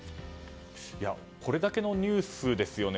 これだけのニュースですよね？